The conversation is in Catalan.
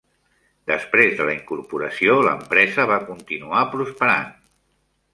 Després de la incorporació, l'empresa va continuar prosperant.